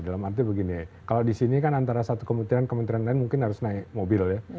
dalam arti begini kalau di sini kan antara satu kementerian kementerian lain mungkin harus naik mobil ya